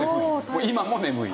今も眠い？